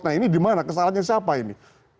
nah ini dimana kesalahannya siapa ini